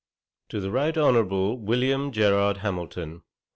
'To THE RIGHT HON. WILLIAM GERARD HAMILTON.